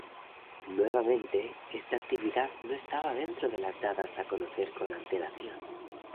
Nuevamente, esta actividad no estaba dentro de las dadas a conocer con antelación.